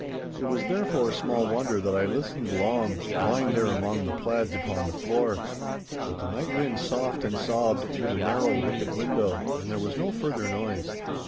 It was, therefore, small wonder that I listened long, lying there among the plaids upon the floor. But the night wind soughed and sobbed through the narrow wicket window, and there was no further noise.